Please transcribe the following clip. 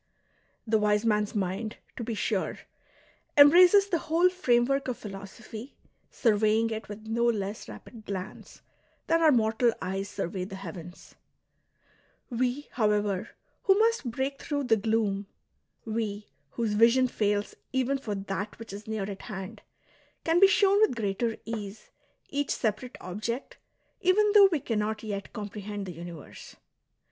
The wise man's mind, to be sure, embraces the whole framework of philosophy, surveying it with no less rapid glance than our mortal eyes survey the heavens ; we, however, who must break through the gloom, we whose vision fails even for that which is near at hand, can be shown with greater ease each separate object even though we cannot yet com prehend the universe.